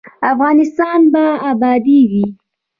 افغانستان به ابادیږي